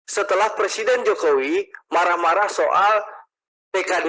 setelah presiden jokowi marah marah soal penolakan kereta